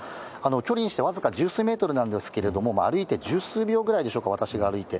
距離にして僅か十数メートルなんですけれども、歩いて十数秒ぐらいでしょうか、私が歩いて。